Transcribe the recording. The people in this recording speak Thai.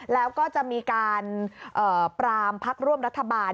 แล้วก็จะมีการปรามพักร่วมรัฐบาล